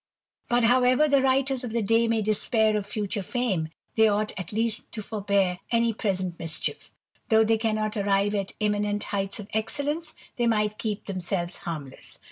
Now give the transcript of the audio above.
But however the writers of the day may despair of future fame, they ought at least to forbear any present imschie£ Though they cannot arrive at eminent heights of excellence, they might keep themselves harmless.